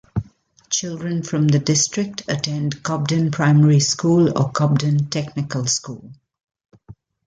Children from the district attend Cobden Primary School or Cobden Technical School.